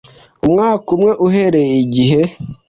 umwaka umwe uhereye igihe